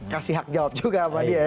kasih hak jawab juga sama dia